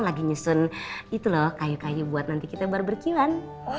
lagi nyusun kayu kayu buat nanti kita barbar kewan